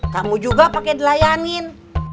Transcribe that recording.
kamu juga pakai dilayanin